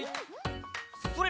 それ！